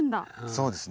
そうですね。